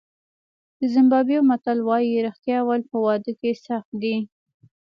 د زیمبابوې متل وایي رښتیا ویل په واده کې سخت دي.